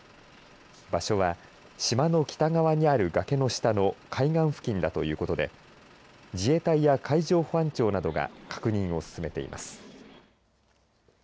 場所は、島の北側にある崖の下の海岸付近だということで自衛隊や海上保安庁などが確認を進めています。